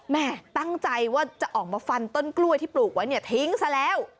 แม่ตั้งใจว่าจะออกมาฟันต้นกล้วยที่ปลูกไว้เนี่ยทิ้งซะแล้ว